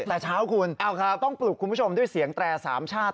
แต่เช้าคุณต้องปลุกคุณผู้ชมด้วยเสียงแตรสามชาติ